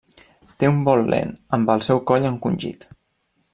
Té un vol lent, amb el seu coll encongit.